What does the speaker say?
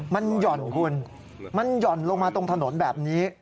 มันหย่อนคุณมันหย่อนลงมาตรงถนนแบบนี้